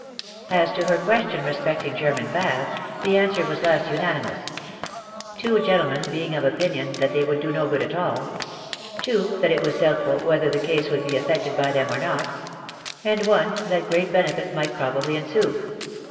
As to her question respecting German baths, the answer was less unanimous ; two gentlemen being of opinion that they would do no good at all ; two that it was doubtful whether the case would be affected by them or not ; and one that great benefit might probably ensue.